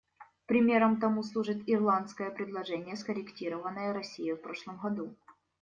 Примером тому служит ирландское предложение, скорректированное Россией в прошлом году.